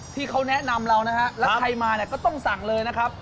ที่เขาแนะนำเรานะฮะแล้วใครมาเนี่ยก็ต้องสั่งเลยนะครับ